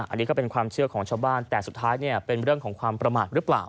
อันนี้ก็เป็นความเชื่อของชาวบ้านแต่สุดท้ายเนี่ยเป็นเรื่องของความประมาทหรือเปล่า